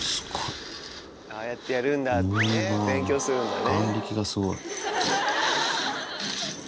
ああやってやるんだってね勉強するんだね。